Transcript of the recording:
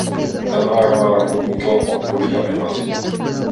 Ten ale jeho nárok odmítl a odpověděl invazí.